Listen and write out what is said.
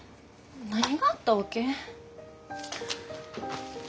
何があったわけ？